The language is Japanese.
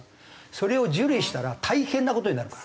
それを受理したら大変な事になるから。